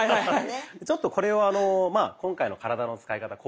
ちょっとこれを今回の体の使い方